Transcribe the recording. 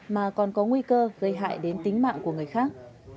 mà còn có nguy cơ gây hại đến tính mạng của người khác